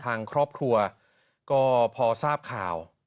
ทางครอบครัวก็พอทราบข่าว